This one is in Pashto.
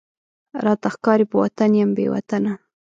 راته ښکاری په وطن یم بې وطنه،